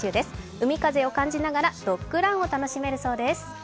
海風を感じながらドッグランを楽しめるそうです。